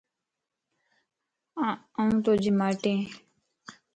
آن توجي ماٽئين